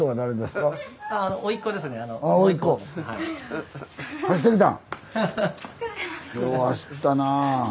よう走ったなあ。